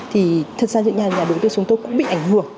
thật ra những nhà đầu tư chúng tôi cũng bị ảnh hưởng